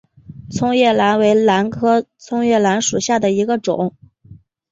葱叶兰为兰科葱叶兰属下的一个种。